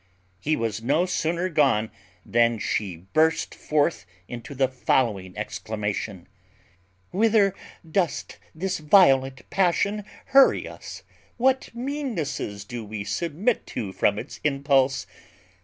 He was no sooner gone than she burst forth into the following exclamation: "Whither doth this violent passion hurry us? What meannesses do we submit to from its impulse!